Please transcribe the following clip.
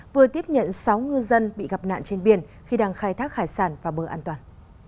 vừa tiếp nhận sáu ngư dân bị gặp nạn trên biển khi đang khai thác hải sản vào bờ an toàn